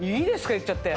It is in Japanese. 言っちゃって。